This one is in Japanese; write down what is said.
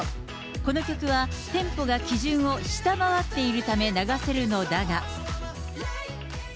この曲はテンポが基準を下回っているため、流せるのだが。